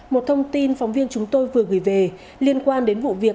một thông tin phóng viên chúng tôi vừa gửi về liên quan đến vụ việc